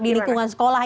di lingkungan sekolah